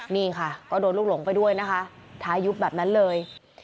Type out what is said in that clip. นี่ค่ะก็โดนลูกหลงไปด้วยนะคะท้ายุบแบบนั้นเลย